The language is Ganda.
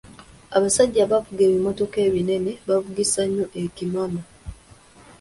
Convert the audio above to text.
Abasajja abavuga ebimmotoka ebinene bavugisa nnyo ekimama.